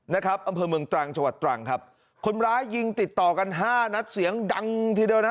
อำเภอเมืองตรังชวัดตรังคนร้ายยิงติดต่อกัน๕นัดเสียงดังทีเดียว